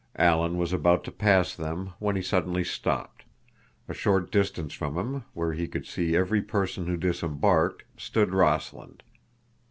Alan was about to pass them when he suddenly stopped. A short distance from him, where he could see every person who disembarked, stood Rossland.